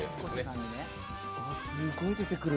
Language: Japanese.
すごい出てくる。